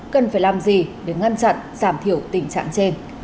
cần phải làm gì để ngăn chặn giảm thiểu tình trạng trên